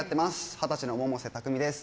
二十歳の百瀬拓実です。